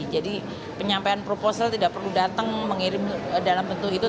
jadi penyampaian proposal tidak perlu datang mengirim dalam bentuk itu